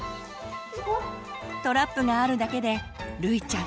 トラップがあるだけでるいちゃん